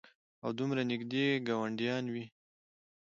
او دومره نېږدې ګاونډيان وي